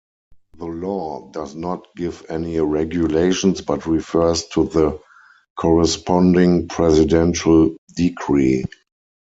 The law does not give any regulations, but refers to the corresponding Presidential Decree.